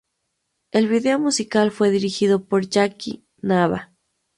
El video musical fue dirigido por Jake Nava.